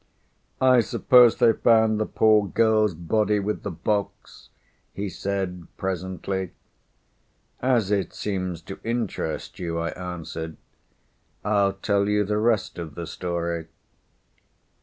_ "I suppose they found the poor girl's body with the box," he said presently. _"As it seems to interest you," I answered, "I'll tell you the rest of the story."